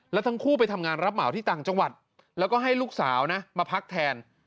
แล้วทั้งคู่ไปทำงานรับเหมาที่ต่างจังหวัดแล้วก็ให้ลูกสาวนะมาพักแทน